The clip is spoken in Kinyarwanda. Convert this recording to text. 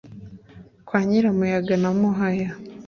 kwa nyiramuyaga na muhaya